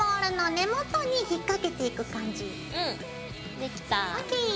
できた。ＯＫ！